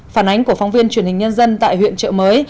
phản ánh của phóng viên truyền hình nhân dân tại huyện trợ mới